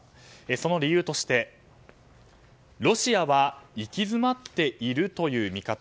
その理由として、ロシアは行き詰まっているという見方